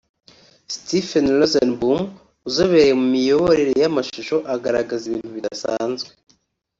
Stephen Rosenbaum uzobereye mu miyoborere y’amashusho agaragaza ibintu bidasanzwe